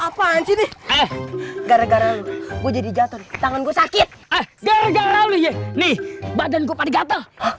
apaan sih gara gara gue jadi jatuh tangan gue sakit gara gara liye nih badan gua pada gatal